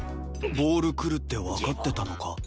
ボール来るってわかってたのか？